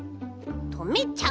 とめちゃう。